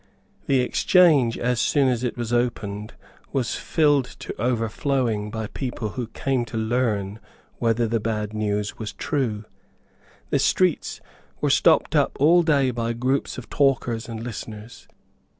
The Exchange, as soon as it was opened, was filled to overflowing by people who came to learn whether the bad news was true. The streets were stopped up all day by groups of talkers and listeners.